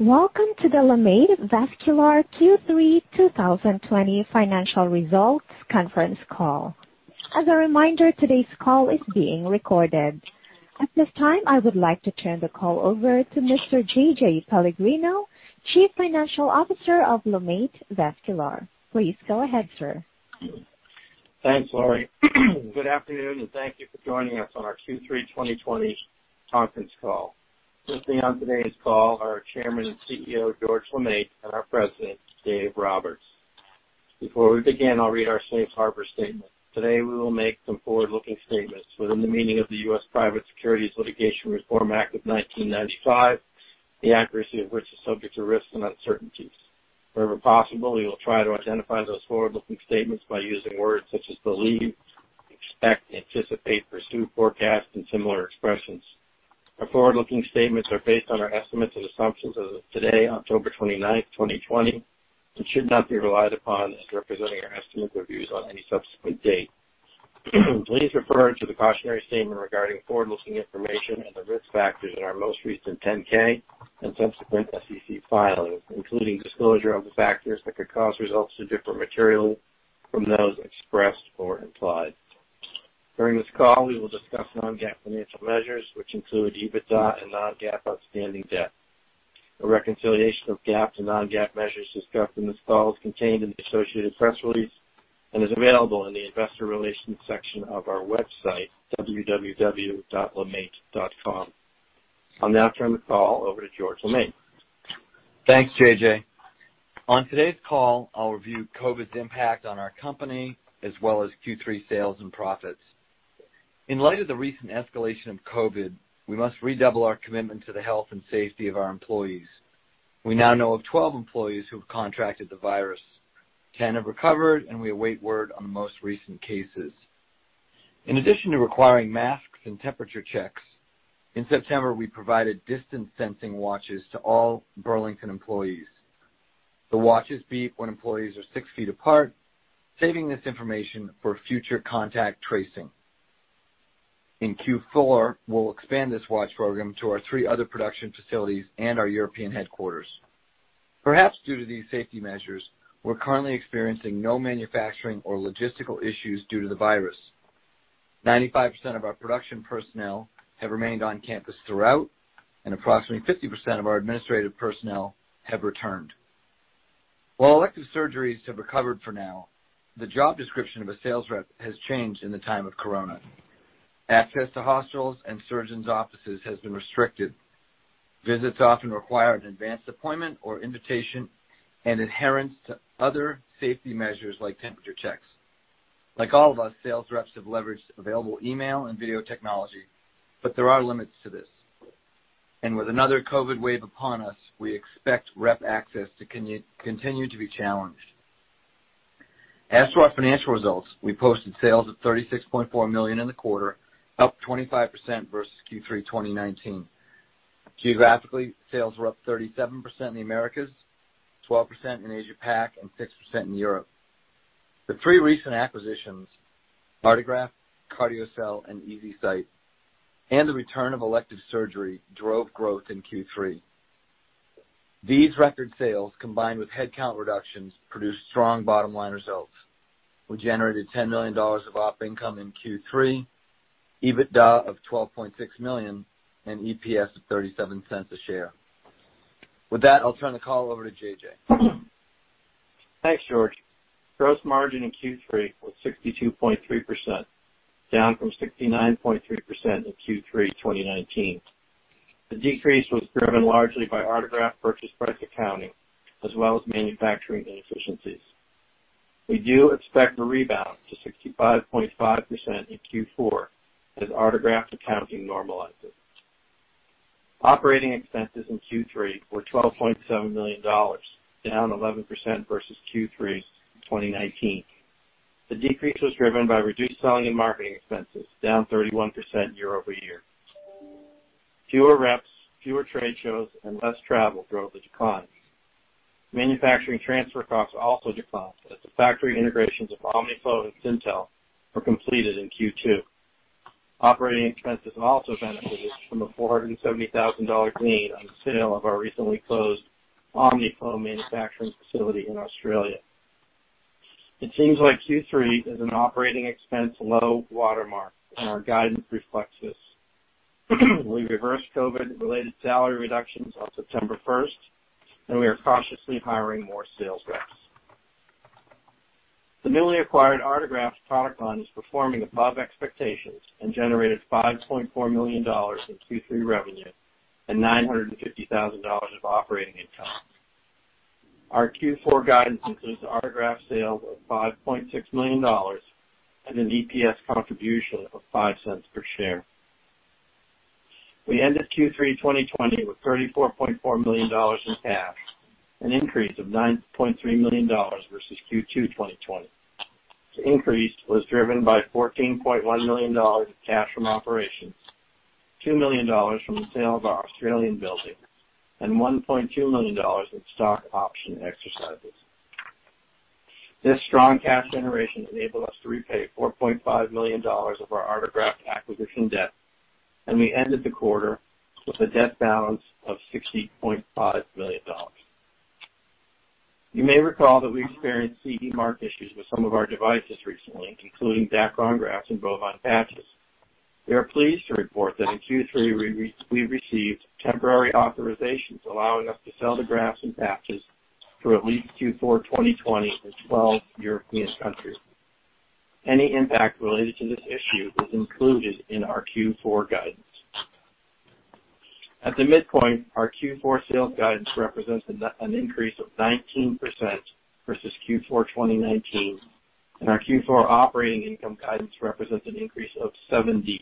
Welcome to the LeMaitre Vascular Q3 2020 Financial Results Conference Call. As a reminder, today's call is being recorded. At this time, I would like to turn the call over to Mr. JJ Pellegrino, Chief Financial Officer of LeMaitre Vascular. Please go ahead, sir. Thanks, Lori. Good afternoon, and thank you for joining us on our Q3 2020 conference call. Joining me on today's call are Chairman and CEO, George LeMaitre, our President, Dave Roberts. Before we begin, I'll read our safe harbor statement. Today, we will make some forward-looking statements within the meaning of the U.S. Private Securities Litigation Reform Act of 1995, the accuracy of which is subject to risks and uncertainties. Wherever possible, we will try to identify those forward-looking statements by using words such as believe, expect, anticipate, pursue, forecast, and similar expressions. Our forward-looking statements are based on our estimates and assumptions as of today, October 29, 2020, and should not be relied upon as representing our estimates or views on any subsequent date. Please refer to the cautionary statement regarding forward-looking information and the risk factors in our most recent 10-K and subsequent SEC filings, including disclosure of the factors that could cause results to differ materially from those expressed or implied. During this call, we will discuss non-GAAP financial measures, which include EBITDA and non-GAAP outstanding debt. A reconciliation of GAAP to non-GAAP measures discussed in this call is contained in the associated press release and is available in the investor relations section of our website, www.lemaitre.com. I'll now turn the call over to George LeMaitre. Thanks, JJ. On today's call, I'll review COVID's impact on our company as well as Q3 sales and profits. In light of the recent escalation of COVID, we must redouble our commitment to the health and safety of our employees. We now know of 12 employees who have contracted the virus. 10 have recovered, and we await word on the most recent cases. In addition to requiring masks and temperature checks, in September, we provided distance sensing watches to all Burlington employees. The watches beep when employees are 6 ft apart, saving this information for future contact tracing. In Q4, we'll expand this watch program to our three other production facilities and our European headquarters. Perhaps due to these safety measures, we're currently experiencing no manufacturing or logistical issues due to the virus. 95% of our production personnel have remained on campus throughout, and approximately 50% of our administrative personnel have returned. While elective surgeries have recovered for now, the job description of a sales rep has changed in the time of corona. Access to hospitals and surgeons' offices has been restricted. Visits often require an advanced appointment or invitation and adherence to other safety measures like temperature checks. Like all of us, sales reps have leveraged available email and video technology, there are limits to this. With another COVID wave upon us, we expect rep access to continue to be challenged. As to our financial results, we posted sales of $36.4 million in the quarter, up 25% versus Q3 2019. Geographically, sales were up 37% in the Americas, 12% in Asia-Pac, and 6% in Europe. The three recent acquisitions, Artegraft, CardioCel, and Eze-Sit, and the return of elective surgery drove growth in Q3. These record sales, combined with head count reductions, produced strong bottom-line results. We generated $10 million of op income in Q3, EBITDA of $12.6 million, and EPS of $0.37 a share. With that, I'll turn the call over to JJ. Thanks, George. Gross margin in Q3 was 62.3%, down from 69.3% in Q3 2019. The decrease was driven largely by Artegraft purchase price accounting, as well as manufacturing inefficiencies. We do expect a rebound to 65.5% in Q4 as Artegraft accounting normalizes. Operating expenses in Q3 were $12.7 million, down 11% versus Q3 2019. The decrease was driven by reduced selling and marketing expenses, down 31% year-over-year. Fewer reps, fewer trade shows, and less travel drove the decline. Manufacturing transfer costs also declined as the factory integrations of Omniflow and Syntel were completed in Q2. Operating expenses also benefited from a $470,000 gain on the sale of our recently closed Omniflow manufacturing facility in Australia. It seems like Q3 is an operating expense low watermark, and our guidance reflects this. We reversed COVID-related salary reductions on September first, and we are cautiously hiring more sales reps. The newly acquired Artegraft product line is performing above expectations and generated $5.4 million in Q3 revenue and $950,000 of operating income. Our Q4 guidance includes Artegraft sales of $5.6 million and an EPS contribution of $0.05 per share. We ended Q3 2020 with $34.4 million in cash, an increase of $9.3 million versus Q2 2020. The increase was driven by $14.1 million of cash from operations, $2 million from the sale of our Australian building, and $1.2 million in stock option exercises. This strong cash generation enabled us to repay $4.5 million of our Artegraft acquisition debt, and we ended the quarter with a debt balance of $60.5 million. You may recall that we experienced CE mark issues with some of our devices recently, including Dacron grafts and bovine patches. We are pleased to report that in Q3 we received temporary authorizations allowing us to sell the grafts and patches through at least Q4 2020 in 12 European countries. Any impact related to this issue is included in our Q4 guidance. At the midpoint, our Q4 sales guidance represents an increase of 19% versus Q4 2019, and our Q4 operating income guidance represents an increase of 70%.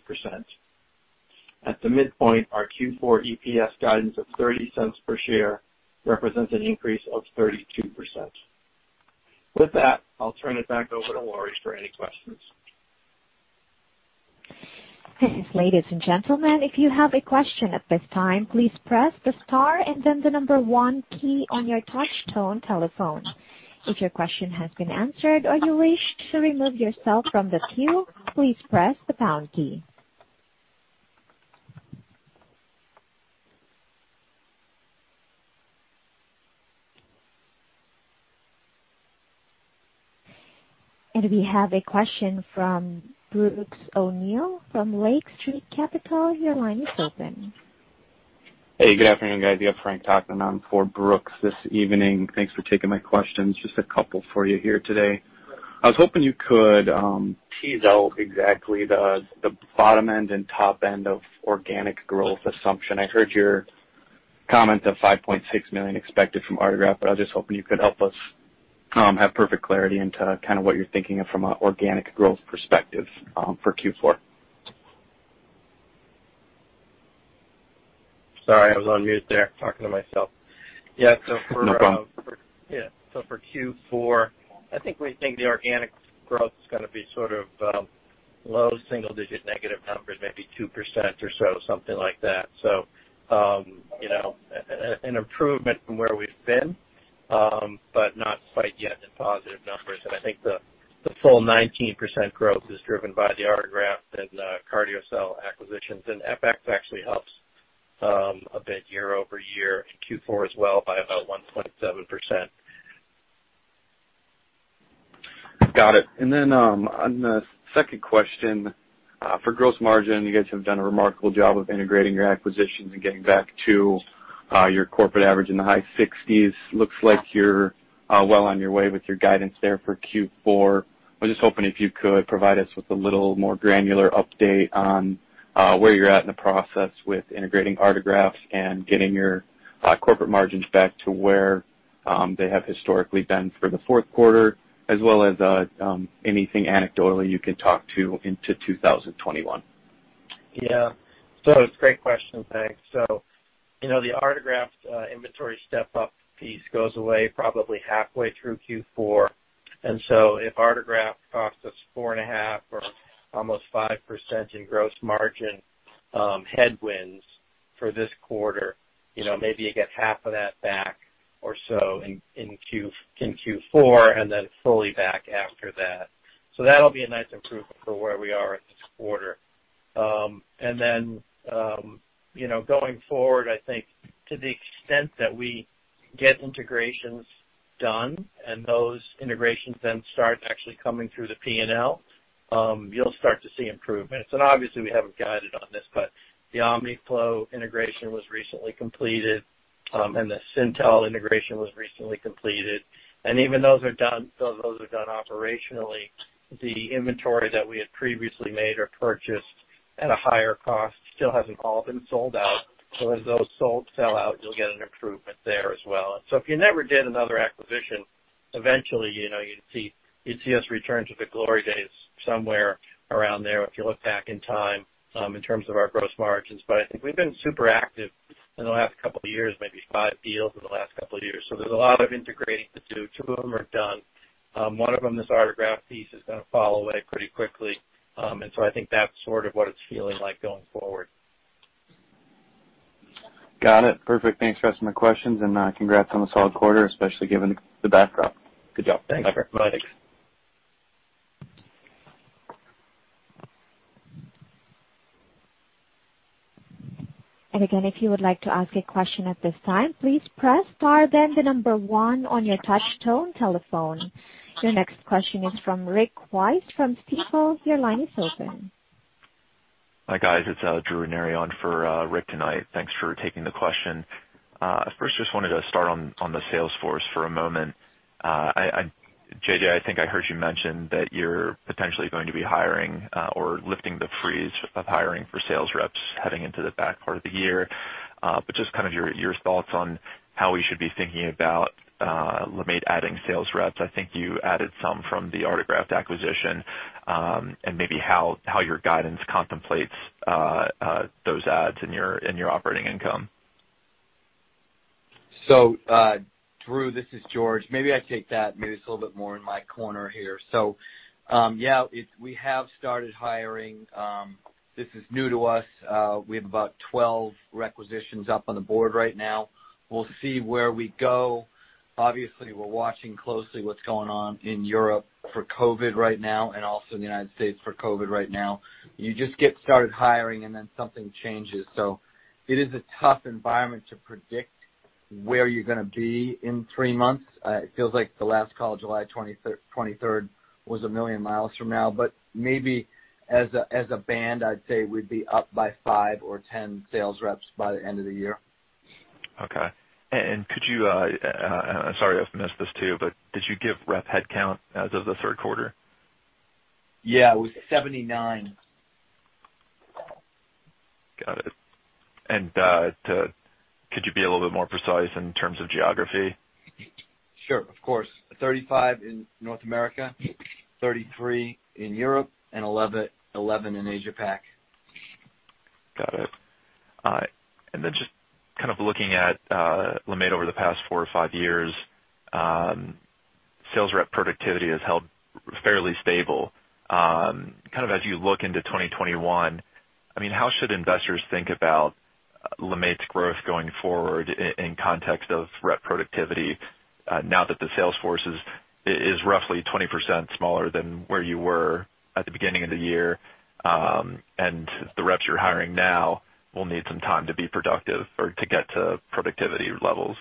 At the midpoint, our Q4 EPS guidance of $0.30 per share represents an increase of 32%. With that, I'll turn it back over to Laurie for any questions. We have a question from Brooks O'Neil from Lake Street Capital. Your line is open. Hey, good afternoon, guys. You have Frank talking on for Brooks this evening. Thanks for taking my questions. Just a couple for you here today. I was hoping you could tease out exactly the bottom end and top end of organic growth assumption. I heard your comment of $5.6 million expected from Artegraft, but I was just hoping you could help us have perfect clarity into kind of what you're thinking of from an organic growth perspective for Q4. Sorry, I was on mute there talking to myself. Yeah. No problem. For Q4, I think we think the organic growth is going to be sort of low single digit negative numbers, maybe 2% or so, something like that. An improvement from where we've been, but not quite yet in positive numbers. I think the full 19% growth is driven by the Artegraft and the CardioCel acquisitions, and FX actually helps a bit year-over-year in Q4 as well by about 1.7%. Got it. On the second question, for gross margin, you guys have done a remarkable job of integrating your acquisitions and getting back to your corporate average in the high 60s. Looks like you're well on your way with your guidance there for Q4. I was just hoping if you could provide us with a little more granular update on where you're at in the process with integrating Artegraft and getting your corporate margins back to where they have historically been for the fourth quarter as well as anything anecdotally you can talk to into 2021. Yeah. It's a great question, thanks. The Artegraft inventory step-up piece goes away probably halfway through Q4, and so if Artegraft costs us four and a half or almost 5% in gross margin headwinds for this quarter, maybe you get half of that back or so in Q4 and then fully back after that. That'll be a nice improvement for where we are at this quarter. Going forward, I think to the extent that we get integrations done and those integrations then start actually coming through the P&L, you'll start to see improvements. Obviously we haven't guided on this, but the OmniFlow integration was recently completed, and the Syntel integration was recently completed. Even though those are done operationally, the inventory that we had previously made or purchased at a higher cost still hasn't all been sold out. As those sell out, you'll get an improvement there as well. If you never did another acquisition, eventually you'd see us return to the glory days somewhere around there, if you look back in time, in terms of our gross margins. I think we've been super active in the last couple of years, maybe five deals in the last couple of years, so there's a lot of integrating to do. Two of them are done. One of them, this Artegraft piece, is going to fall away pretty quickly. I think that's sort of what it's feeling like going forward. Got it. Perfect. Thanks for answering the questions, and congrats on a solid quarter, especially given the backdrop. Good job. Thanks. Bye. Thanks. Again, if you would like to ask a question at this time, please press star, then the number one on your touch tone telephone. Your next question is from Rick Wise from Stifel. Your line is open. Hi, guys. It's Drew Ranieri on for Rick tonight. Thanks for taking the question. Just wanted to start on the sales force for a moment. JJ, I think I heard you mention that you're potentially going to be hiring or lifting the freeze of hiring for sales reps heading into the back part of the year. Just kind of your thoughts on how we should be thinking about LeMaitre adding sales reps. I think you added some from the Artegraft acquisition, and maybe how your guidance contemplates those adds in your operating income. Drew, this is George. Maybe I take that. Maybe it's a little bit more in my corner here. Yeah, we have started hiring. This is new to us. We have about 12 requisitions up on the board right now. We'll see where we go. Obviously, we're watching closely what's going on in Europe for COVID right now, and also in the U.S. for COVID right now. You just get started hiring and then something changes. It is a tough environment to predict where you're going to be in three months. It feels like the last call, July 23rd, was a million miles from now, but maybe as a band, I'd say we'd be up by five or 10 sales reps by the end of the year. Okay. Could you, sorry if I missed this too, but did you give rep headcount as of the third quarter? Yeah, it was 79. Got it. Could you be a little bit more precise in terms of geography? Sure, of course. 35 in North America, 33 in Europe, and 11 in Asia-Pac. Got it. Just looking at LeMaitre over the past four or five years, sales rep productivity has held fairly stable. As you look into 2021, how should investors think about LeMaitre's growth going forward in context of rep productivity now that the sales force is roughly 20% smaller than where you were at the beginning of the year, and the reps you're hiring now will need some time to be productive or to get to productivity levels.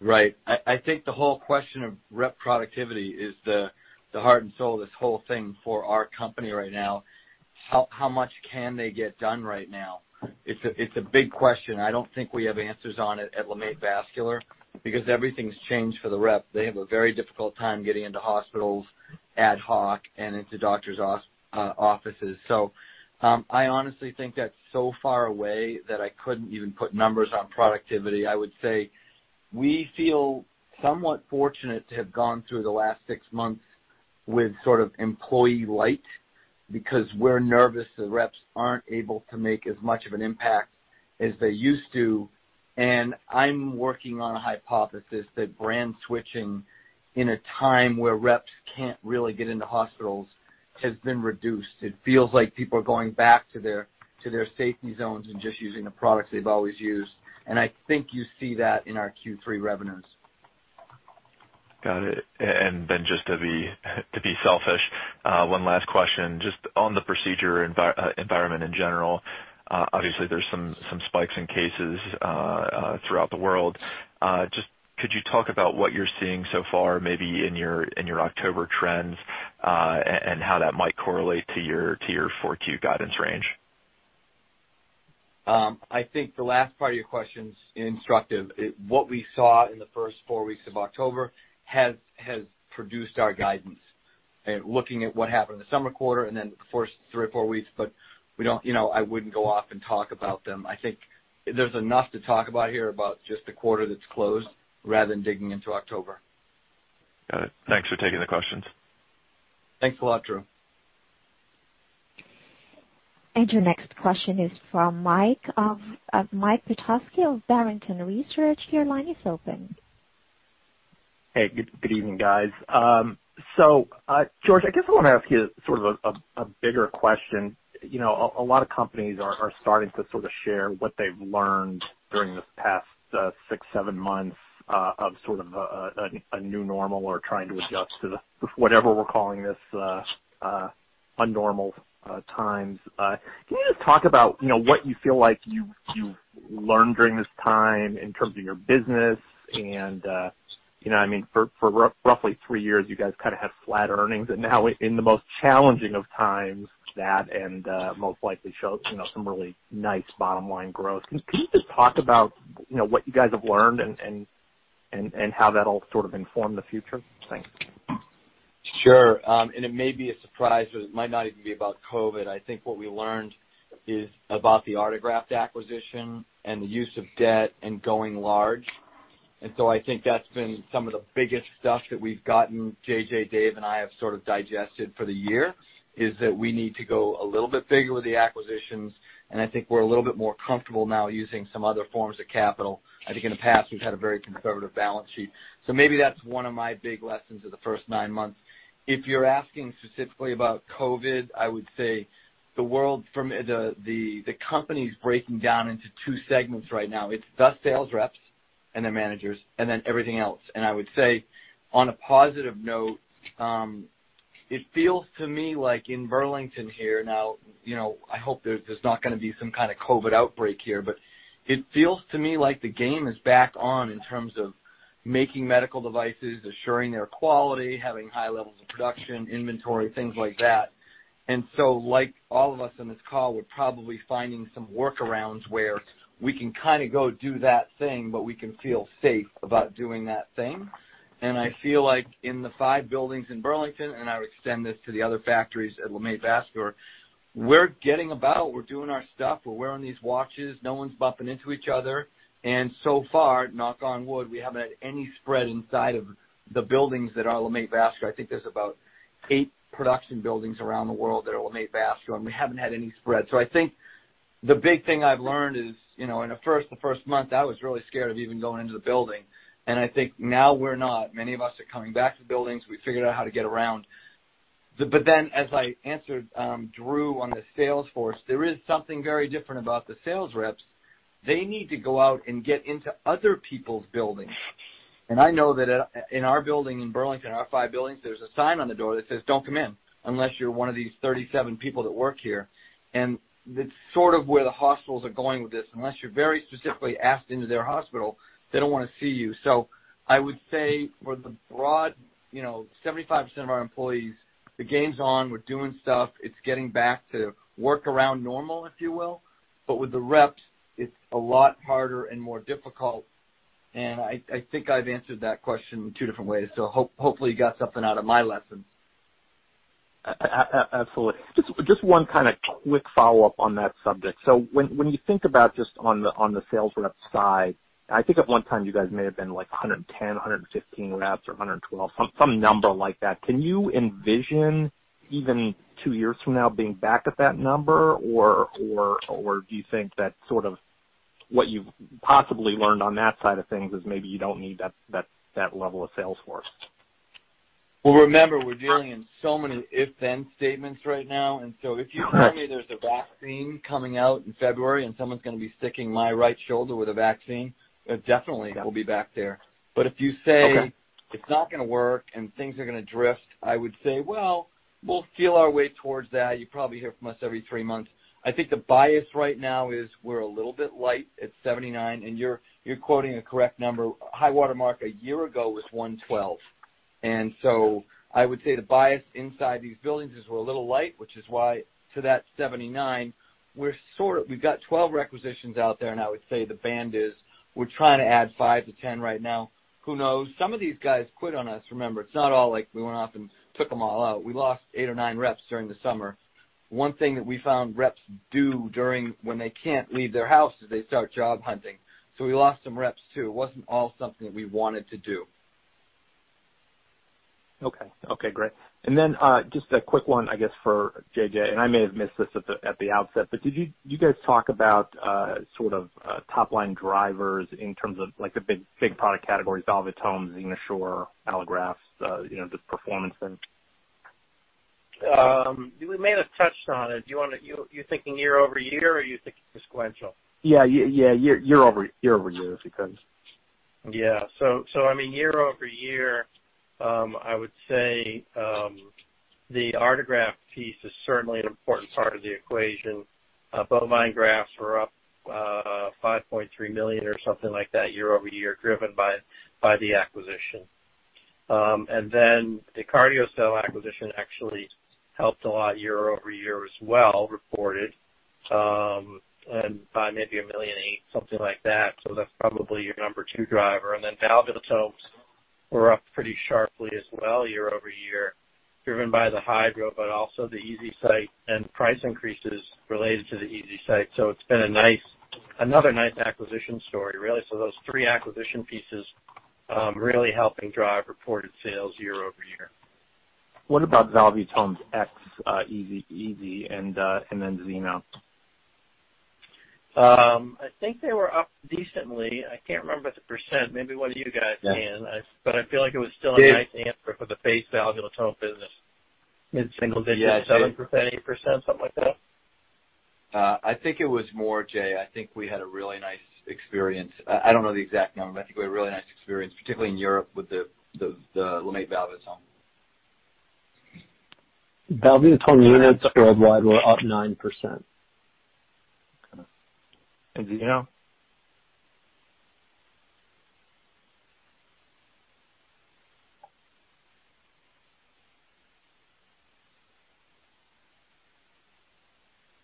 Right. I think the whole question of rep productivity is the heart and soul of this whole thing for our company right now. How much can they get done right now? It's a big question. I don't think we have answers on it at LeMaitre Vascular because everything's changed for the rep. They have a very difficult time getting into hospitals ad hoc and into doctors offices. I honestly think that's so far away that I couldn't even put numbers on productivity. I would say we feel somewhat fortunate to have gone through the last six months with sort of employee light because we're nervous the reps aren't able to make as much of an impact as they used to. I'm working on a hypothesis that brand switching in a time where reps can't really get into hospitals has been reduced. It feels like people are going back to their safety zones and just using the products they've always used. I think you see that in our Q3 revenues. Got it. Just to be selfish, one last question just on the procedure environment in general. Obviously there's some spikes in cases throughout the world. Just could you talk about what you're seeing so far, maybe in your October trends, and how that might correlate to your 4Q guidance range? I think the last part of your question's instructive. What we saw in the first four weeks of October has produced our guidance. Looking at what happened in the summer quarter and then the first three or four weeks, but I wouldn't go off and talk about them. I think there's enough to talk about here about just the quarter that's closed rather than digging into October. Got it. Thanks for taking the questions. Thanks a lot, Drew. Your next question is from Mike Petusky of Barrington Research. Your line is open. Hey, good evening, guys. George, I guess I want to ask you sort of a bigger question. A lot of companies are starting to sort of share what they've learned during this past six, seven months of sort of a new normal or trying to adjust to whatever we're calling this unnormal times. Can you just talk about what you feel like you've learned during this time in terms of your business and, for roughly three years, you guys kind of had flat earnings, and now in the most challenging of times, that and most likely show some really nice bottom-line growth. Can you just talk about what you guys have learned and how that'll sort of inform the future? Thanks. Sure. It may be a surprise or it might not even be about COVID. I think what we learned is about the Artegraft acquisition and the use of debt and going large. I think that's been some of the biggest stuff that we've gotten, JJ, Dave, and I have sort of digested for the year, is that we need to go a little bit bigger with the acquisitions, and I think we're a little bit more comfortable now using some other forms of capital. I think in the past, we've had a very conservative balance sheet. Maybe that's one of my big lessons of the first nine months. If you're asking specifically about COVID, I would say the company's breaking down into two segments right now. It's the sales reps and their managers and everything else. I would say on a positive note, it feels to me like in Burlington here now, I hope there's not going to be some kind of COVID outbreak here, but it feels to me like the game is back on in terms of making medical devices, assuring their quality, having high levels of production, inventory, things like that. Like all of us on this call, we're probably finding some workarounds where we can kind of go do that thing, but we can feel safe about doing that thing. I feel like in the five buildings in Burlington, and I would extend this to the other factories at LeMaitre Vascular, we're doing our stuff. We're wearing these watches. No one's bumping into each other. So far, knock on wood, we haven't had any spread inside of the buildings that are LeMaitre Vascular. I think there's about eight production buildings around the world that are LeMaitre Vascular, and we haven't had any spread. The big thing I've learned is, in the first month, I was really scared of even going into the building, and I think now we're not. Many of us are coming back to the buildings. We figured out how to get around. As I answered Drew on the sales force, there is something very different about the sales reps. They need to go out and get into other people's buildings. I know that in our building in Burlington, our five buildings, there's a sign on the door that says, "Don't come in unless you're one of these 37 people that work here." That's sort of where the hospitals are going with this. Unless you're very specifically asked into their hospital, they don't want to see you. I would say for the broad 75% of our employees, the game's on, we're doing stuff. It's getting back to work around normal, if you will. With the reps, it's a lot harder and more difficult. I think I've answered that question two different ways, so hopefully you got something out of my lesson. Absolutely. Just one kind of quick follow-up on that subject. When you think about just on the sales rep side, I think at one time you guys may have been like 110, 115 reps or 112, some number like that. Can you envision even two years from now being back at that number? Do you think that sort of what you've possibly learned on that side of things is maybe you don't need that level of sales force? Well, remember, we're dealing in so many if/then statements right now. If you tell me there's a vaccine coming out in February and someone's going to be sticking my right shoulder with a vaccine, definitely we'll be back there. Okay it's not going to work and things are going to drift, I would say, well, we'll feel our way towards that. You'll probably hear from us every three months. I think the bias right now is we're a little bit light at 79, and you're quoting a correct number. High water mark a year ago was 112. So I would say the bias inside these buildings is we're a little light, which is why to that 79, we've got 12 requisitions out there, and I would say the band is, we're trying to add five to 10 right now. Who knows? Some of these guys quit on us. Remember, it's not all like we went off and took them all out. We lost eight or nine reps during the summer. One thing that we found reps do during when they can't leave their house is they start job hunting. We lost some reps, too. It wasn't all something that we wanted to do. Okay. Great. Just a quick one, I guess, for JJ, I may have missed this at the outset, but did you guys talk about sort of top-line drivers in terms of the big product categories, valvulotomes, XenoSure, allografts, just performance then? We may have touched on it. You're thinking year-over-year, or are you thinking sequential? Yeah. Year-over-year, if you could. Year-over-year, I would say, the Artegraft piece is certainly an important part of the equation. Bovine grafts were up $5.3 million or something like that year-over-year, driven by the acquisition. The CardioCel acquisition actually helped a lot year-over-year as well, reported, by maybe $1.8 million, something like that. That's probably your number two driver. Valvulotomes were up pretty sharply as well year-over-year, driven by the HYDRO, but also the Eze-Sit and price increases related to the Eze-Sit. It's been another nice acquisition story, really. Those three acquisition pieces really helping drive reported sales year-over-year. What about valvulotomes X, Eze-Sit, and then XenoSure? I think they were up decently. I can't remember the percent. Maybe one of you guys can. Yeah. I feel like it was still a nice answer for the base valvulotome business. In single digits. Yeah. 7%, 8%, something like that. I think it was more, JJ. I think we had a really nice experience. I don't know the exact number. I think we had a really nice experience, particularly in Europe with the LeMaitre valvulotome. Valvulotome units worldwide were up 9%. Okay. Xeno?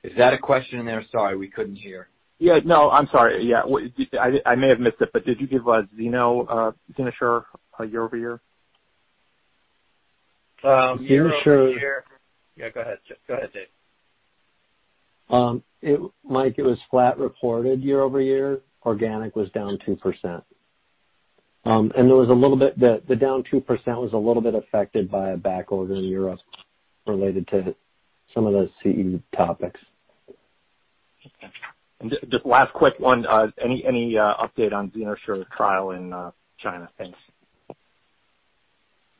Is that a question in there? Sorry, we couldn't hear. Yeah, no, I'm sorry. I may have missed it, but did you give XenoSure year-over-year? XenoSure. Year-over-year, yeah, go ahead, Dave. Mike, it was flat reported year-over-year. Organic was down 2%. The down 2% was a little bit affected by a backorder in Europe related to some of the CE topics. Okay. Just last quick one. Any update on XenoSure trial in China? Thanks.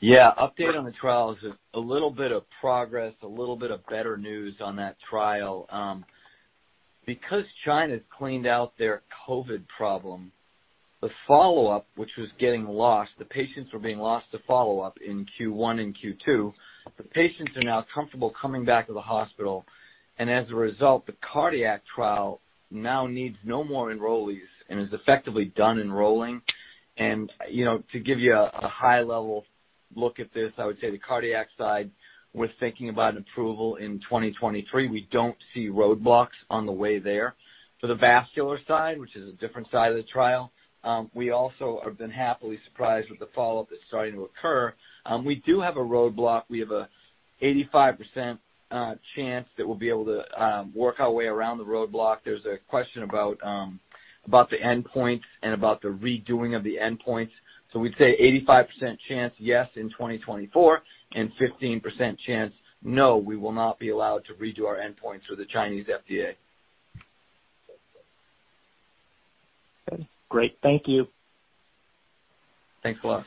Yeah. Update on the trial is a little bit of progress, a little bit of better news on that trial. China's cleaned out their COVID problem, the follow-up, which was getting lost, the patients were being lost to follow-up in Q1 and Q2. The patients are now comfortable coming back to the hospital. As a result, the cardiac trial now needs no more enrollees and is effectively done enrolling. To give you a high-level look at this, I would say the cardiac side, we're thinking about an approval in 2023. We don't see roadblocks on the way there. For the vascular side, which is a different side of the trial, we also have been happily surprised with the follow-up that's starting to occur. We do have a roadblock. We have a 85% chance that we'll be able to work our way around the roadblock. There's a question about the endpoint and about the redoing of the endpoint. We'd say 85% chance yes in 2024 and 15% chance no, we will not be allowed to redo our endpoints with the Chinese FDA. Okay, great. Thank you. Thanks a lot.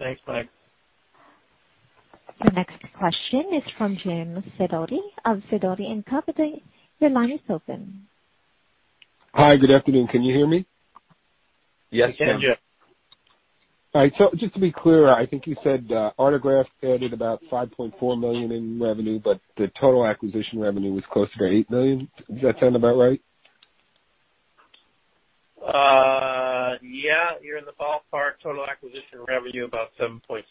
Thanks, Mike. The next question is from Jim Sidoti of Sidoti & Company, LLC. Your line is open. Hi. Good afternoon. Can you hear me? Yes, we can. We can, Jim. All right. Just to be clear, I think you said Artegraft added about $5.4 million in revenue, but the total acquisition revenue was closer to $8 million. Does that sound about right? Yeah. You're in the ballpark. Total acquisition revenue about $7.6.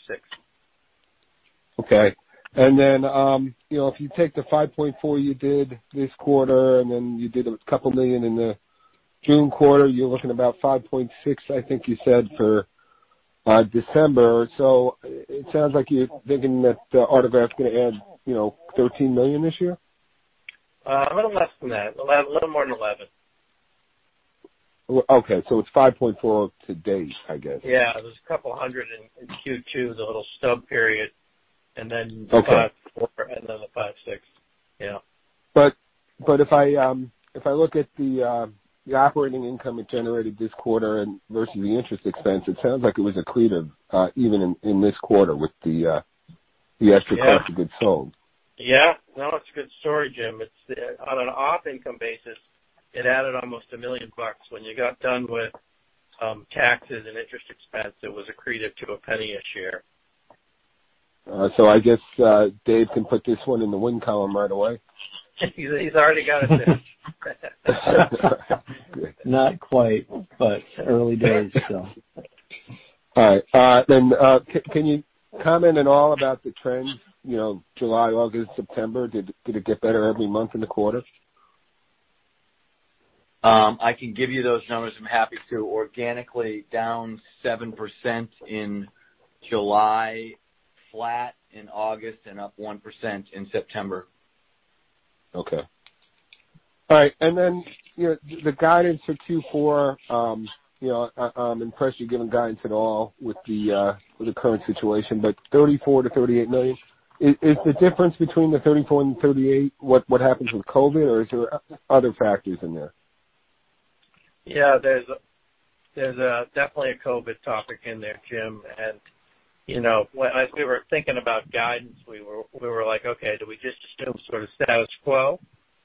Okay. If you take the $5.4 million you did this quarter, then you did $2 million in the June quarter, you're looking about 5.6, I think you said, for December. It sounds like you're thinking that Artegraft is going to add $13 million this year? A little less than that. A little more than 11. Okay. It's $5.4 million to date, I guess. Yeah. There's couple hundred in Q2, the little stub period. Okay. $5.4 million and another $5.6 million. Yeah. If I look at the operating income it generated this quarter versus the interest expense, it sounds like it was accretive even in this quarter with the extra cost of goods sold. Yeah. No, it's a good story, Jim. On an op-income basis, it added almost $1 million. When you got done with taxes and interest expense, it was accretive to $0.01 a share. I guess Dave can put this one in the win column right away. He's already got it there. Not quite, but early days, so. All right. Can you comment at all about the trends July, August, September? Did it get better every month in the quarter? I can give you those numbers. I'm happy to. Organically down 7% in July, flat in August, and up 1% in September. Okay. All right. Then the guidance for Q4, I'm impressed you're giving guidance at all with the current situation, but $34 million-$38 million. Is the difference between the $34 million and $38 millon what happens with COVID, or is there other factors in there? Yeah. There's definitely a COVID topic in there, Jim. As we were thinking about guidance, we were like, Okay, do we just assume sort of status quo,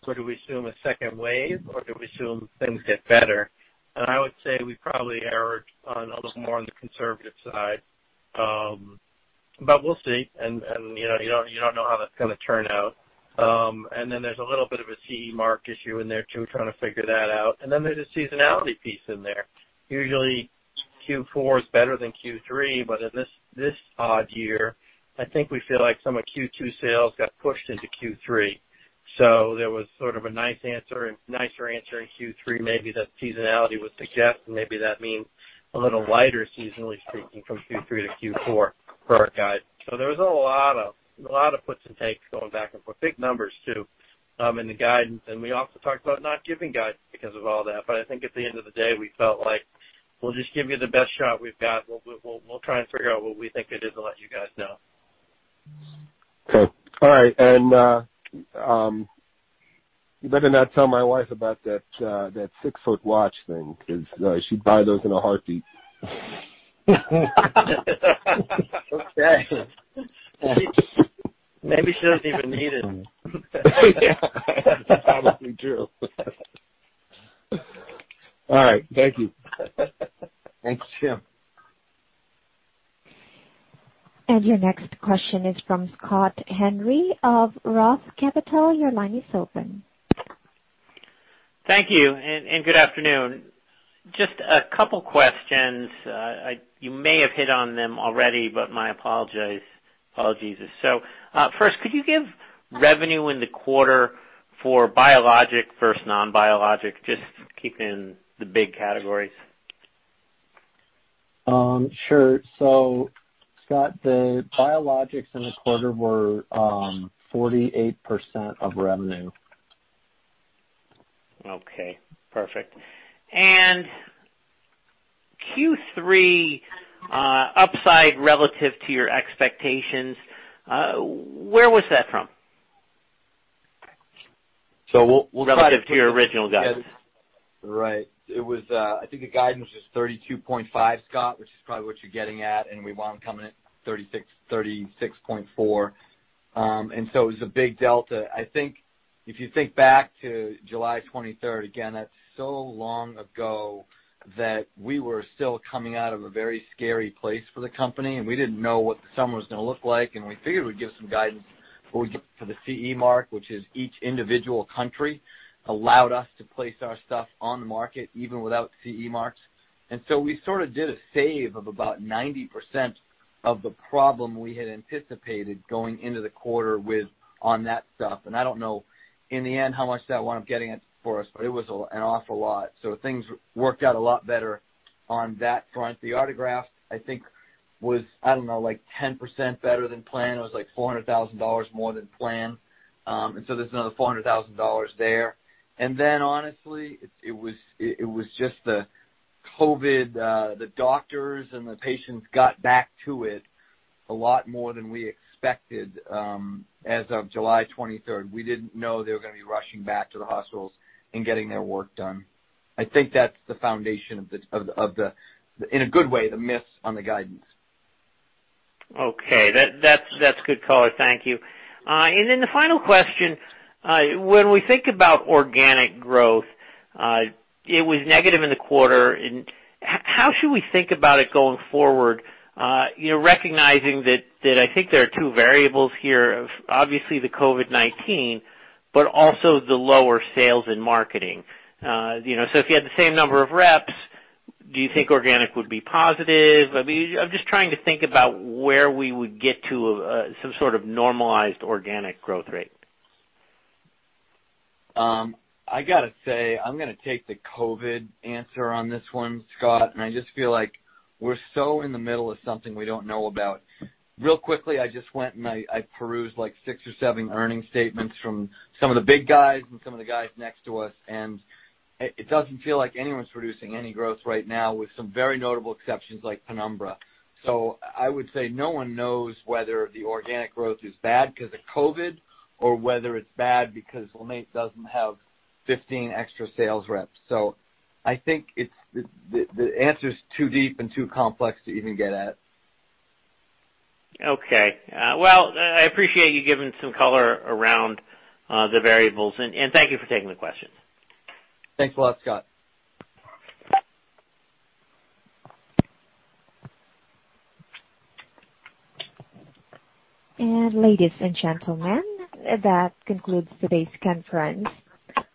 or do we assume a second wave, or do we assume things get better? I would say we probably erred on a little more on the conservative side. We'll see. You don't know how that's going to turn out. There's a little bit of a CE mark issue in there, too. We're trying to figure that out. There's a seasonality piece in there. Usually Q4 is better than Q3, but in this odd year, I think we feel like some of Q2 sales got pushed into Q3. There was sort of a nicer answer in Q3 maybe that seasonality would suggest, and maybe that means a little lighter seasonally speaking from Q3 to Q4 for our guide. There was a lot of puts and takes going back and forth. Big numbers, too, in the guidance. We also talked about not giving guidance because of all that. I think at the end of the day, we felt like we'll just give you the best shot we've got. We'll try and figure what we think it is and let you guys know. Okay. All right. You better not tell my wife about that six-foot watch thing because she'd buy those in a heartbeat. Okay. Maybe she doesn't even need it. Yeah. That's probably true. All right. Thank you. Thanks, Jim. Your next question is from Scott Henry of ROTH Capital. Your line is open. Thank you, good afternoon. Just two questions. You may have hit on them already, my apologies. First, could you give revenue in the quarter for biologic versus non-biologic, just keeping the big categories? Sure. Scott, the biologics in the quarter were 48% of revenue. Okay, perfect. Q3 upside relative to your expectations, where was that from? So we'll. Relative to your original guidance. Right. I think the guidance was $32.5, Scott, which is probably what you're getting at, we wound coming in $36.4. It was a big delta. I think if you think back to July 23rd, again, that's so long ago that we were still coming out of a very scary place for the company, we didn't know what the summer was going to look like, we figured we'd give some guidance before we get to the CE mark, which is each individual country allowed us to place our stuff on the market even without CE marks. We sort of did a save of about 90% of the problem we had anticipated going into the quarter on that stuff. I don't know in the end how much that wound up getting for us, it was an awful lot. Things worked out a lot better on that front. The Artegraft, I think was, I don't know, 10% better than planned. It was $400,000 more than planned. There's another $400,000 there. Honestly, it was just the COVID, the doctors and the patients got back to it a lot more than we expected as of July 23rd. We didn't know they were going to be rushing back to the hospitals and getting their work done. I think that's the foundation of the, in a good way, the miss on the guidance. Okay. That's good color. Thank you. The final question, when we think about organic growth, it was negative in the quarter. How should we think about it going forward, recognizing that I think there are two variables here, obviously the COVID-19, but also the lower sales in marketing. If you had the same number of reps, do you think organic would be positive? I'm just trying to think about where we would get to some sort of normalized organic growth rate. I got to say, I'm going to take the COVID answer on this one, Scott, and I just feel like we're so in the middle of something we don't know about. Real quickly, I just went and I perused six or seven earning statements from some of the big guys and some of the guys next to us, and it doesn't feel like anyone's producing any growth right now with some very notable exceptions like Penumbra. I would say no one knows whether the organic growth is bad because of COVID or whether it's bad because LeMaitre doesn't have 15 extra sales reps. I think the answer's too deep and too complex to even get at. Okay. Well, I appreciate you giving some color around the variables. Thank you for taking the questions. Thanks a lot, Scott. Ladies and gentlemen, that concludes today's conference.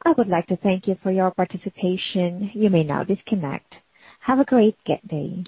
I would like to thank you for your participation. You may now disconnect. Have a great day.